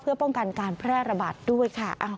เพื่อป้องกันการแพร่ระบาดด้วยค่ะ